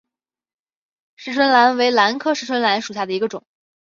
匙唇兰为兰科匙唇兰属下的一个种。